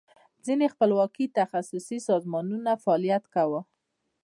ځینې خپلواکي تخصصي سازمانونو فعالیت کاو.